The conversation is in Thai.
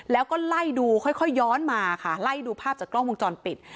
แล้วก็ไล่ดูค่อยย้อนมาค่ะไล่ดูภาพจากกล้องวงจรปิด